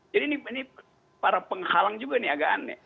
jadi ini para penghalang juga agak aneh